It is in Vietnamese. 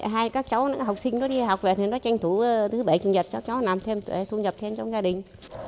hai các cháu học sinh đi học về thì nó tranh thủ thứ bảy thứ nhật cho cháu thu nhập thêm trong gia đình